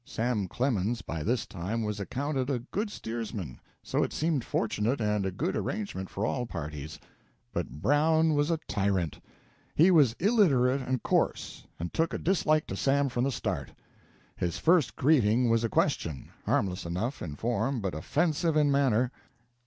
Sam Clemens, by this time, was accounted a good steersman, so it seemed fortunate and a good arrangement for all parties. But Brown was a tyrant. He was illiterate and coarse, and took a dislike to Sam from the start. His first greeting was a question, harmless enough in form but offensive in manner.